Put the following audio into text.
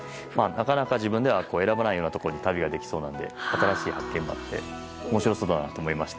なかなか自分では選ばないようなところに旅ができそうなので新しい発見もあって面白そうだなと思いました。